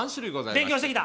勉強してきた。